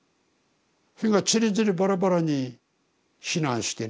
それがちりぢりバラバラに避難してね。